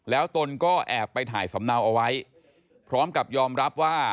แล้วตนก็แอบไปถ่ายสำเนาเอาไว้พร้อมกับยอมรับว่า